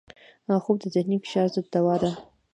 خوب د ذهني فشار ضد دوا ده